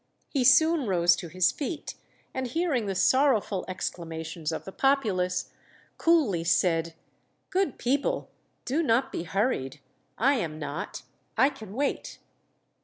He soon rose to his feet, and hearing the sorrowful exclamations of the populace, coolly said, "Good people, do not be hurried; I am not, I can wait."